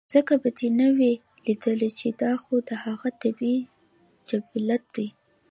ځکه به دې نۀ وي ليدلے چې دا خو د هغه طبعي جبلت دے